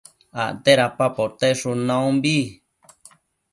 acte dada poteshun naumbi